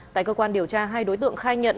tại cơ quan điều tra hai đối tượng khai nhận